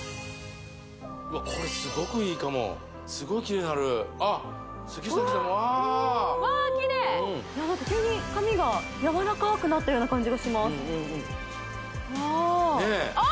うわこれスゴくいいかもスゴいきれいになるあっ杉崎さんもあわきれい何か急に髪がやわらかくなったような感じがしますあっ！